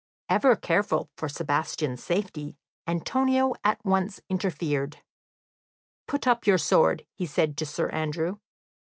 Ever careful for Sebastian's safety, Antonio at once interfered. "Put up your sword," he said to Sir Andrew.